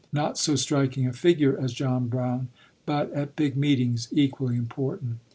Not so striking a figure as John Brown, but, at "big meetings," equally important.